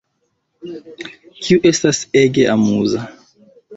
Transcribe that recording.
Kiu estas ege amuza